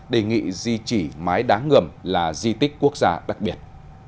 đề nghị di trì mái đáng ngườm là di tích quốc gia đặc biệt